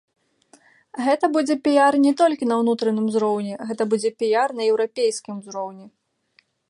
Гэта будзе піяр не толькі на ўнутраным узроўні, гэта будзе піяр на еўрапейскім узроўні.